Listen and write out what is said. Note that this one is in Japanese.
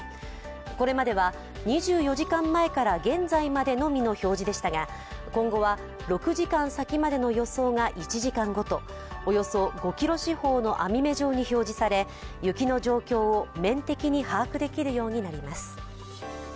これまでは２４時間前から現在までのみの表示でしたが、今後は６時間先までの予想が１時間ごと、およそ５ｋｍ四方の網目状に表示され雪の状況を面的に把握できるようになります。